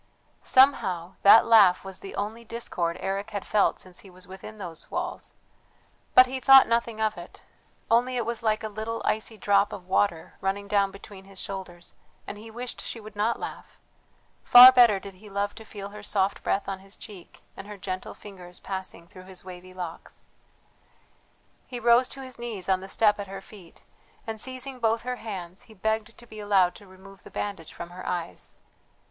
Somehow that laugh was the only discord Eric had felt since he was within those walls; but he thought nothing of it, only it was like a little icy drop of water running down between his shoulders and he wished she would not laugh; far better did he love to feel her soft breath on his cheek, and her gentle fingers passing through his wavy locks. He rose to his knees on the step at her feet and, seizing both her hands, he begged to be allowed to remove the bandage from her eyes.